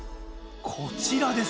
こちらです。